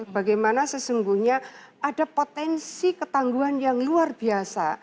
bagaimana sesungguhnya ada potensi ketangguhan yang luar biasa